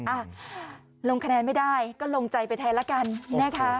อ่ะลงคะแนนไม่ได้ก็ลงใจไปแทนละกันนะคะ